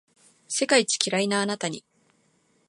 世界一キライなあなたに